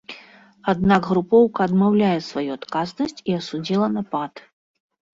Аднак, групоўка адмаўляе сваю адказнасць і асудзіла напад.